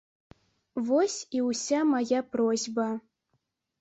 Вось і ўся мая просьба.